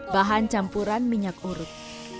bahan campuran minyak urut